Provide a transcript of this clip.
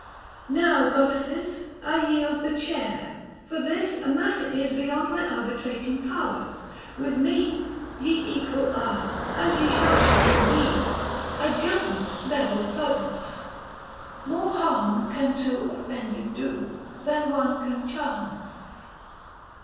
Now, goddesses, 1 yield the chair, for this a matter is Beyond my arbitrating power : with me 110 Ye equal are, and ye shall equal be. A judgment levelled Pergamus : more harm Can two offended do ; than one can charm.